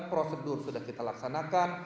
prosedur sudah kita laksanakan